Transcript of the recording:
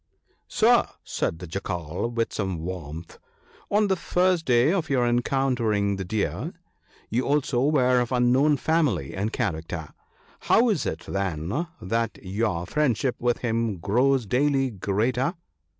" Sir," said the Jackal, with some warmth, " on the first day of your encountering the Deer you also were of unknown family and character : how is it, then, that your friendship with him grows daily greater?